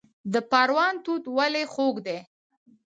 د پروان توت ولې خوږ دي؟